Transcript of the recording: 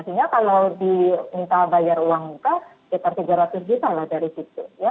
sehingga kalau diminta bayar uang muka sekitar tiga ratus juta loh dari situ